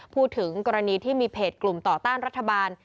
พูดถึงกรณีที่มีเพจกลุ่มต่อต้านรัฐบาล